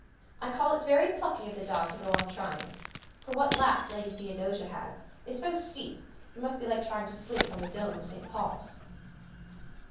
I call it very plucky of the dog to go on trying; for what lap Lady Theodosia has is so steep it must be like trying to sleep on the dome of St. Paul's.